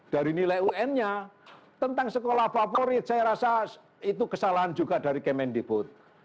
dari nilai un nya tentang sekolah favorit saya rasa itu kesalahan juga dari kemendikbud